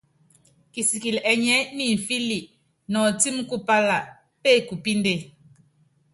Kisikili ɛnyiɛ́ nimfíli nɔtími kupála, pékupínde.